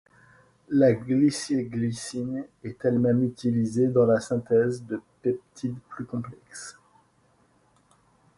La glycylglycine est elle-même utilisée dans la synthèse de peptides plus complexes.